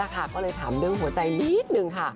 ก็เลยถามเรื่องหัวใจนิดนึงค่ะ